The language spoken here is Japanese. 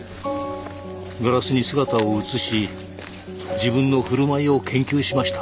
ガラスに姿を映し自分の振る舞いを研究しました。